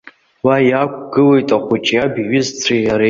Уа иаақәгылеит ахәыҷ иаб иҩызцәеи иареи.